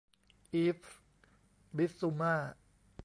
อีฟส์ บิสซูม่า